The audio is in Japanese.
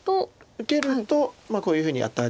受けるとこういうふうにアタリして。